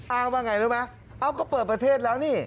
อ้างว่าไงรู้ไหมเอ้าก็เปิดประเทศแล้วนี่